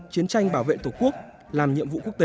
chiến tranh bảo vệ tổ quốc làm nhiệm vụ quốc tế